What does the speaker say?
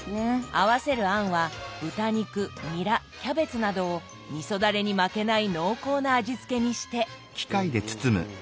合わせる餡は豚肉ニラキャベツなどをみそダレに負けない濃厚な味付けにして。